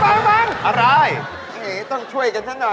อะไรไม่ต้องช่วยกันซักหน่อยแล้ว